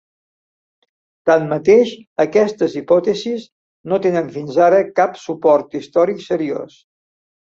Tanmateix, aquestes hipòtesis no tenen fins ara cap suport històric seriós.